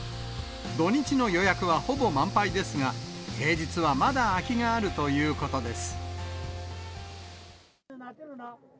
土日の予約はほぼ満杯ですが、平日はまだ空きがあるということです。